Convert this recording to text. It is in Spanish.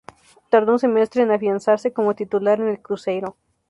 Tardó un semestre en afianzarse como titular en el Cruzeiro.